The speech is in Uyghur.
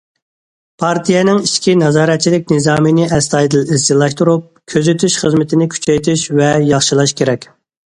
پارتىيەنىڭ ئىچكى نازارەتچىلىك نىزامىنى ئەستايىدىل ئىزچىللاشتۇرۇپ، كۆزىتىش خىزمىتىنى كۈچەيتىش ۋە ياخشىلاش كېرەك.